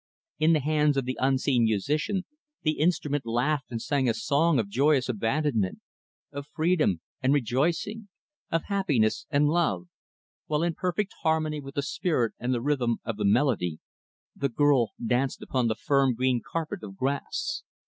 In the hands of the unseen musician, the instrument laughed and sang a song of joyous abandonment of freedom and rejoicing of happiness and love while in perfect harmony with the spirit and the rhythm of the melody, the girl danced upon the firm, green carpet of grass.